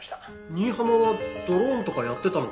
新浜はドローンとかやってたのかな？